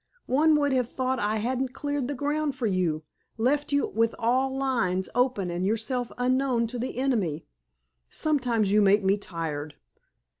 One would have thought I hadn't cleared the ground for you, left you with all lines open and yourself unknown to the enemy. Sometimes, you make me tired."